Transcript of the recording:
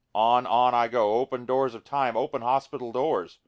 3 On, on I go, (open doors of time! open hospital doors!)